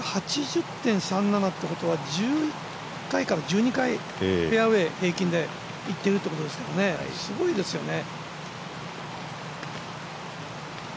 ８０．３７っていうことは１１回から１２回、フェアウエーに平均でいってるってことですから、すごいですよね。